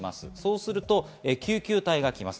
すると救急隊が来ます。